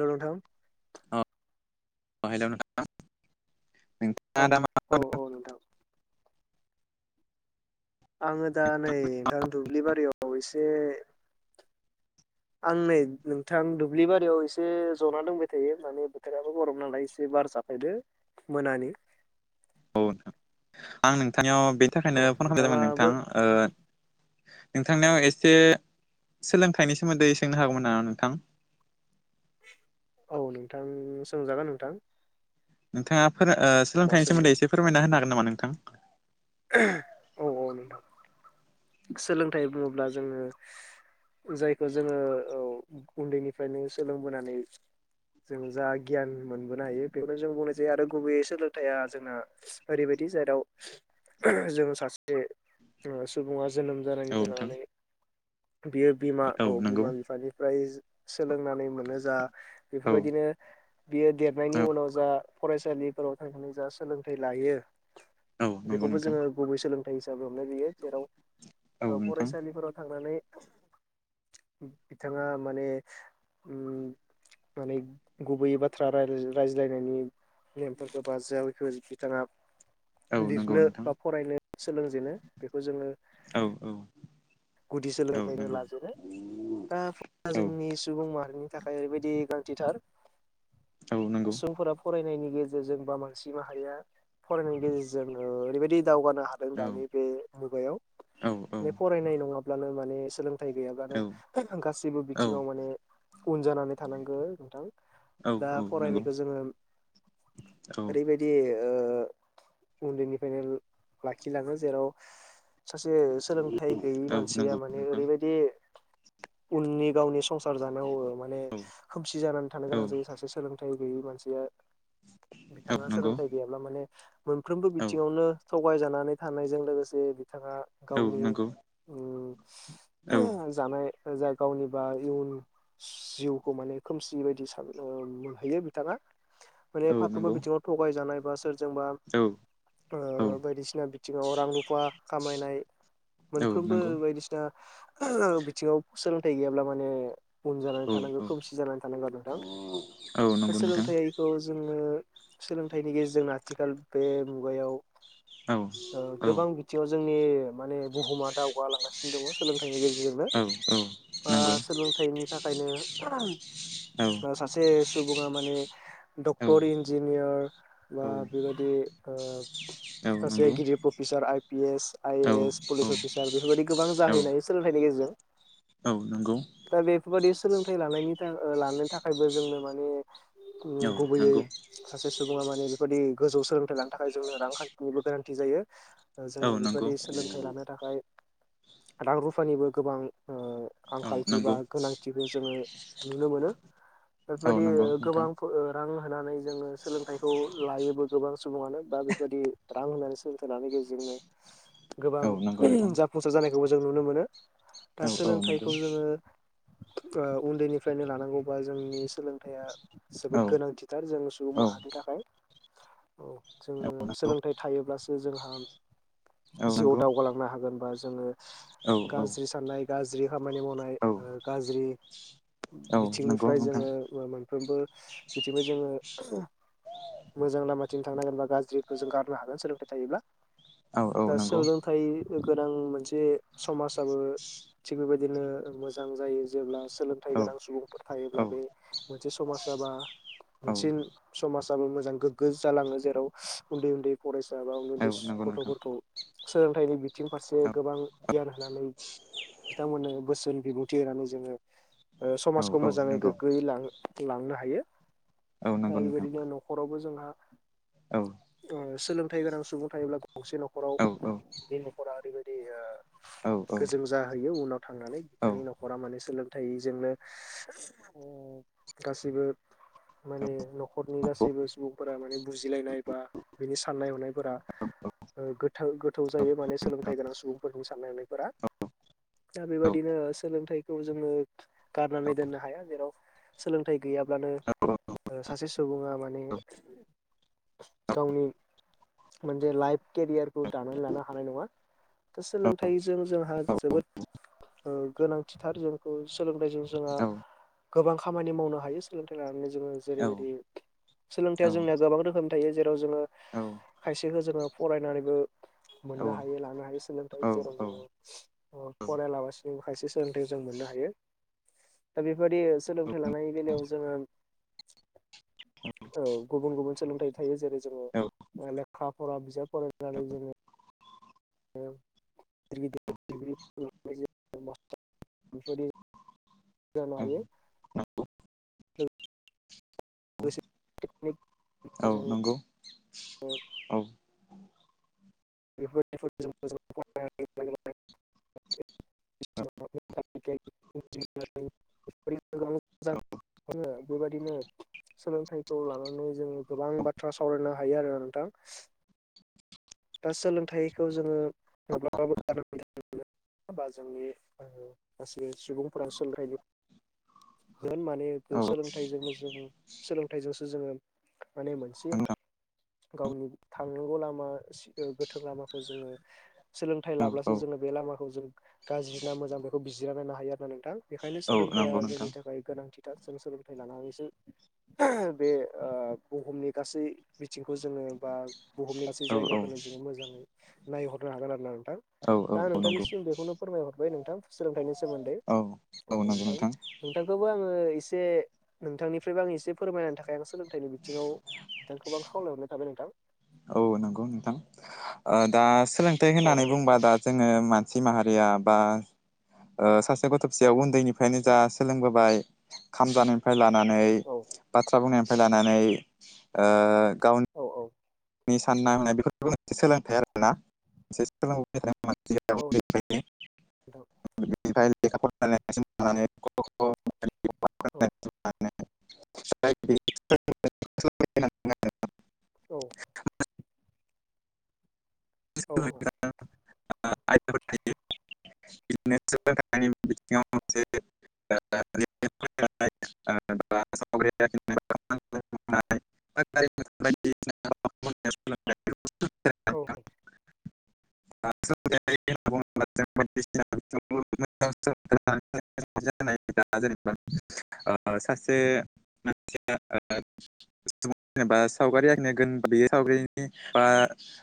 Hello नोंथां ओ hello नोंथां औ नोंथाङा दा मा औ औ खालामदों? नोंथां आङो दा नै नोंथां दुब्लि बारियाव एसे [inaudible] आं नै नोंथां दुब्लि बारियाव एसे जना दंबाय थायो माने बोथोराबो गरम नालाय एसे बार जाफायदो मोनानि। [inaudible] आं नोंथांनियाव बेनि थाखायनो औ फन खालामनाय जादोंमोन नोंथाङाबो नोंथां ओ नोंथांनियाव एसे सोलोंथाइनि सोमोन्दै सोंनो हागौमोन नामा नोंथां? औ नोंथां सोंजागोन नोंथां। नोंथाङा फोरो ओ मा सोलोंथाइनि सोंनो सोमोन्दै एसे फोरमायना होनो हागोन नामा नोंथां? औ औ नोंथां सोलोंथाइ बुङोब्ला जोङो जायखौ जोङो औ उन्दैनिफ्रायनो सोलोंबोनानै जों जा गियान मोनबोनो हायो बेखौनो जों गनाय जायो आरो गुबैयै सोलोंथाइया जोंना ओरैबाय दि जेराव जों सासे ओ सुबुङा जोनोम औ जानायनिफ्राय नोंथां लानानै बियो बिमा औ बिमा बिफानिफ्राय सोलोंनानै मोनो जा औ बेफोरबायदिनो बियो देरनायनि औ उनाव जा फरायसालिफोराव थांनानै जा सोलोंथाइ लायो औ नंगौ बेखौबो नोंथां जोङो गुबै सोलोंथाइ हिसाबै हमनाय जायो जेराव औ ओ नोंथां फरायसालिफोराव थांनानै [inaudible] बिथाङा माने उम माने गुबैयै बाथ्रा राय रायज्लायनायनि नेमफोरखौ बाज जाया बेखौ बिथाङा औ नंगौ लिरनो नोंथां बा फरायनो सोलोंजेनो बेखौ जोङो औ औ। गुदि औ सोलोंथायनिफ्रायनो नंगौ लाजेनो। दा [unintelligible] औ जोंनि सुबुं माहारिनि थाखाय ओरैबायदि गा [unintelligible] औ नंगौ सुबुंफोरा फरायनायनि गेजेरजों बा मानसि माहारिया फरायनायनि गेजेरजों ओ ओरैबायदि दावगानो हादों औ दानि बे मुगायाव औ बे फरायनाय नङाब्लानो माने सोलों थाय गैयाब्लानो गासैबो औ बिथिङाव माने उन जानानै थानांगौ नोंथां। दा औ नंगौ फरायनायखौ जोङो औ ओरैबायदि ओ [inaudible] उन्दैनिफ्रायनो ला लाखिलाङो जेराव सासे सोलोंथाइ गैयि औ सिया नंगौ माने नोंथां ओरैबादि उननि गावनि संसार जानायाव ओ माने औ खोमसि जानानै थानो औ गोनां जायो सासे सोलोंथाइ गैयै मानसिया। औ बिथाङा नंगौ सोलोंथाइ गैयाब्ला माने मोनफ्रोमबो औ बिथिङावनो थगायजानानै थानायजों लोगोसे बिथाङा औ गावनि नंगौ औ [unintelligible] जानाय जाय गावनिबा इयुन जिउखौ माने खोमसि बायदि सान ओ मोनहैयो बिथाङा। माने औ फारफ्रोमबो नंगौ बिथिङाव थगायजानाय बा सोर जोंबा औ ओ औ बायदिसिना बिथिङाव रां रुफा खामायनाय औ फ्रोमबो नंगौ बायदिसिना बिथिङाव सोलोंथाइ गैयाब्ला माने उन जानानै औ थानांगौ खोमसि जानानै थानांगौ आरो नोंथां औ औ दा नंगौ नोंथां सोलोंथायाइखौ जों ओ सोलोंथाइनि गेजेरजों आथिखाल बे मुगायाव। औ ओ औ गोबां बिथिङाव जोंनि माने बुहुमा दावगालांगासिनो दङ सोलोंथा थाइनि गेजेरजोंनो औ औ ओ नंगौ सोलोंथाइनि थाखायनो। औ ओ सासे सुबुङा माने। औ डक्टर इन्जिनियार बा औ बेबायदि ओ। सासे नंगौ गिदिर प्रफिसार आइ पि एस आइ औ एस पुलिस अफ फीसार बेफोरबायदि गोबां जाहैनाय सोंलोंथाइनि गेजेरजों औ नंगौ दा बेफोरबायदि। सोलोंथाइ लानायनि था ओ लानो थाखायबो जोंनो माने उम औ गुबैयै नंगौ सासे सु सुबुङा माने बेबायदि गोजौ सोलोंथाइ लानो थाखाय जोंनो रांखान्थिनिबो गोनांथि जायो। ओ जोङो औ नंगौ बेफोरबायदि सोलोंथाइ लानो। थाखाय रां रुफानिबो गोबां ओ। औ आंखालथि बा नंगौ गोनांथिखौ जोङो नुनो मोनो। औ बेफोरबायदि नंगौ नोंथां गोबां फो ओ रां होनानै जोङो सोलोंथाइखौ लायोबो गोबां सुबुङानो बा बेफोरबादि रां होनानै सोलोंथाइ लानो बेजोंनो गोबां औ नंगौ नोंथां जाफुंसार जानायखौबो जों नुनो मोनो। दा औ औ नंगौ सोलोंथाइखौ जोङो। [unintelligible] ओ उन्दैनिफ्रायनो लानांगौबा जोंनि सोलोंथाइया औ जोबोद गोनांथिथार जों सुबुं औ माहारिनि थाखाय खाय औ औ जोङो नंगौ सोलोंथाइ थायोब्लासो जोंहा औ नोंगौ। माहाजोनबा जोङो गाज्रि साननाय गाज्रि खामानि मावनाय औ औ ओ गाज्रि औ नंगौ बिथिंनिफ्राय नोंथां जोङो ओ मोनफ्रोमबो बिथिंफाय जोङो मोजां लामाथिं थांनांगोन बा गाज्रिखौ जों गारनो हागोन सोलोंथाइ थायोब्ला। औ औ दा नंगौ सोलोंथाइ गोनां मोनसे समाजाबो थिग बेबायदिनो मोजां जायो जेब्ला सोलोंथाइ औ गोनां सुबुंफोर थायोब्ला बे औ मोनसे समाज जाबा मोनसे औ समाजाबो मोजां गोग्गो जालाङो जेराव उन्दै उन्दै फरायसा बा उन्दै औ उन्दै नंगौ नोंथां गथफोरखौ सोलोंथाइनि बिथिं फारसे औ गोबां औ गियान होनानै बिथांमोननो बोसोननि बिबुंथि होनानै जोङो ओ औ समाजखौ मोजाङै नंगौ गोग्गोयै लां लांनो हायो। औ नंगौ ओ नोंथां बेबायदिनो नखरावबो जोंहा औ ओ सोलोंथाइ गोनां सुबुं थायोब्ला गंसे औ नखराव नखरा ओरैबायदि ओ गोजों जाहैयो उनाव थांनानै बिथांनि नखरा माने सोलोंथाइजों माने उम गासिबो माने नखरनि गासैबो सुबुंफोरा माने बुजिलायनाय बा बिनि साननाय हनायफोरा ओ गोथां गोथौ जायो माने सोलोंथाइ गोनां सुबुंफोरनि साननाय हनायफोरा दा बेबायदिनो सोलोंथाइखौ जोङो गारनानै दोननो हाया जेराव सोलोंथाइ गैयाब्लानो ओ सासे सुबुङा माने गावनि मोनसे लाइफ केरियारखौ दानानै लानो हानाय नङा। दा सोलोंथाइजों जोंहा जोबोद ओ गोनांथिथार जोंखौ सोलोंथाइजों जोंहा गोबां खामानि मावनो हायो सोलोंथाइ लानानै जोङो जेरैबायदि सोलोंथाइया जोंनिया गोबां रोखोम थायो जेराव जोङो खायसेखौ जोङो फरायनानैबो मोननो हायो लानो हायो सोलोंथाइ जेराव जोङो ओ फरायलाबसिनो खायसे सोलोंथाइ जों मोननो हायो। दा बेबायदि सोलोंथाइ लानायनि बेलायाव जोङो [unintelligible] औव गुबुन गुबुन सोलोंथाइ थायो जेरै जोङो औ ओ लेखा फरा बिजाब फरायनानै जोङो [unintelligible] जानो हायो। औ औ नंगौ औ [unintelligible] [unintelligible] [unintelligible] [unintelligible] बेबायदिनो सोलोंथाइखौ लानानै जोङो गोबां बाथ्रा सावरायनो हायो आरो नोंथां। दा सोलोंथाइखौ जोङो माब्लाबाबो गारनो बा जोंनि ओ गासै सुबुंफोरा सोलोंथाइनि होन माने औ सोलोंथाइजोंनो जों सोलोंथाइजोंसो जोङो माने मोनसे गावनि थांनांगौ लामा गोथों लामाखौ जोङो सोलोंथाइ लाब्लासो जोङो बे लामाखौ जों गाज्रि ना मोजां बेखौ बि जिरना नायनो हायो आरोना नोंथां। बेखायनो औ सोलोंथाइया नंगौ जोंनि नोंथां थाखाय गोनांथिथार जों सोलोंथाइ लानानैसो बे ओ बुहुमनि गासै बिथिंखौ जोङो बा बुहुमनि गासै औ औ जायगाखौनो जोङो मोजाङै नायहरनो हागोन आरो ना नोंथां। औ दा औ नंगौ नोंथांनिसिम बेखौनो फोरमाय हरबाय नोंथां सोलोंथाइनि सोमोन्दै। औ औ नोंथां, नोंथांखौबो आङो ए से नोंथांनिफ्रायबो आं एसे फोरमायनाहोनो थाखाय आं सोलोंथाइनि बिथिङाव नोंथांखौ आ खावलायहरनाय थाबाय नोंथां। औ नंगौ नोंथां, ओ दा सोलोंथाइ औ होननानै औ बुंबा नोंथां दा जोङो मा नसि माहारिया बा- ओ सासे गथ' फिसायाव उन्दैनिफ्रायनो जा सोलोंबोबाय खाम जानायनिफ्राय ला नानै, औ बाथ्रा बुंनायनिफ्राय लानानै, ओ गाव औ औ नि सानना हनाय बेफोरबो सोलोंथाइ आरोना मोनसे औ नोंथां [unintelligible] [unintelligible] [unintelligible] औ, मोनसे औ औ सोलोंथाया ओ आयदाफोर थायो औ [unintelligible] [unintelligible] [unintelligible] [unintelligible] [unintelligible] जेनेबा ओ सासे [unintelligible] जेनबा सावगारि आखिनाय बा